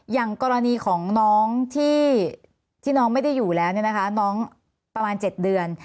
อย่างกรณีของน้องที่น้องไม่ได้อยู่แล้วน้องประมาณ๗เดือน